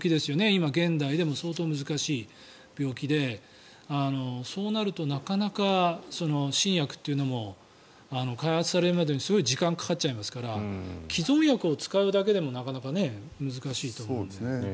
今、現代でも相当難しい病気でそうなるとなかなか新薬というのも開発されるまでにすごい時間がかかっちゃいますから既存薬を使うだけでもなかなか難しいと思います。